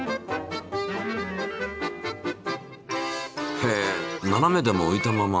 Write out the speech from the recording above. へえななめでも浮いたまま。